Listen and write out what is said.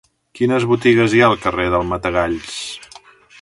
Quines botigues hi ha al carrer del Matagalls?